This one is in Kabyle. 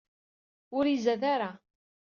Ur izad ara.